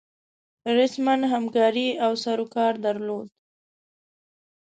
رسما همکاري او سروکار درلود.